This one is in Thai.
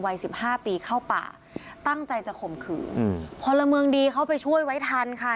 สิบห้าปีเข้าป่าตั้งใจจะข่มขืนอืมพลเมืองดีเข้าไปช่วยไว้ทันค่ะ